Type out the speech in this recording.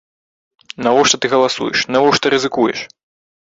Навошта ты галасуеш, навошта рызыкуеш?